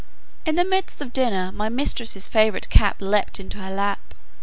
In the midst of dinner, my mistress's favourite cat leaped into her lap.